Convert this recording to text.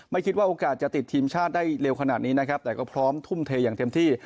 ไม่คิดว่าโอกาสจะติดทีมชาติได้เร็วขนาดนี้นะครับแต่ก็พร้อมทุ่มเทอย่างเต็มที่